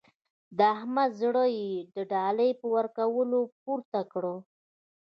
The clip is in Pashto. د احمد زړه يې د ډالۍ په ورکولو پورته کړ.